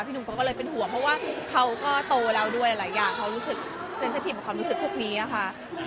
หนุ่มเขาก็เลยเป็นห่วงเพราะว่าเขาก็โตแล้วด้วยหลายอย่างเขารู้สึกเซ็นสถิตของความรู้สึกพวกนี้ค่ะ